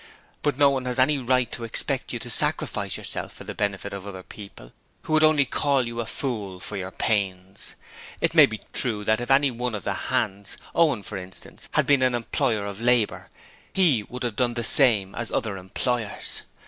But no one has any right to expect you to sacrifice yourself for the benefit of other people who would only call you a fool for your pains. It may be true that if any one of the hands Owen, for instance had been an employer of labour, he would have done the same as other employers.